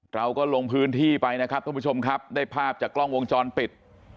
เราก็ลงพื้นที่ไปนะครับท่านผู้ชมครับได้ภาพจากกล้องวงจรปิด